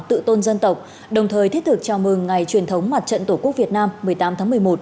tự tôn dân tộc đồng thời thiết thực chào mừng ngày truyền thống mặt trận tổ quốc việt nam một mươi tám tháng một mươi một